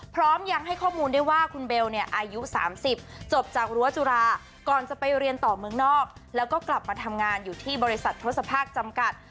พร้อมยังให้ข้อมูลได้ว่าคุณเบลเนี่ยอายุ๓๐จบจากรั้วจุฬาก่อนจะไปเรียนต่อเมืองนอกแล้วก็กลับมาทำงานอยู่ที่บริษัททศภาคจำกัด